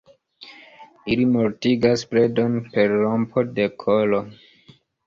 Ili mortigas predon per rompo de kolo.